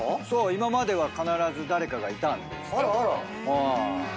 今までは必ず誰かがいたんです。